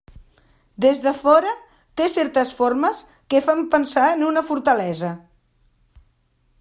Des de fora té certes formes que fan pensar en una fortalesa.